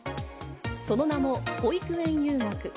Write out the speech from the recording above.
その名も保育園遊学。